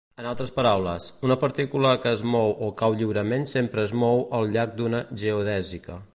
En altres paraules, una partícula que es mou o cau lliurement sempre es mou al llarg d'una geodèsica.